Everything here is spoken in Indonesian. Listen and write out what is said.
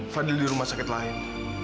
kamu lagi di rumah sakit lain